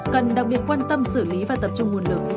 cần đặc biệt quan tâm xử lý và tập trung nguồn lực